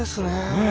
ねえ？